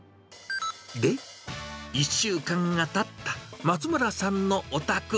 で、１週間がたった松村さんのお宅。